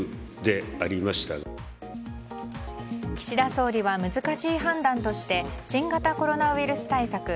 岸田総理は、難しい判断として新型コロナウイルス対策